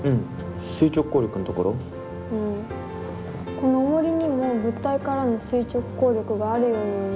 このおもりにも物体からの垂直抗力があるように思うんだけど。